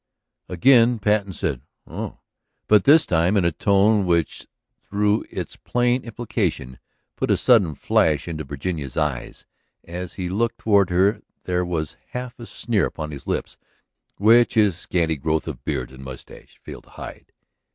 Again Patten said "Oh," but this time in a tone which through its plain implication put a sudden flash into Virginia's eyes. As he looked toward her there was a half sneer upon the lips which his scanty growth of beard and mustache failed to hide.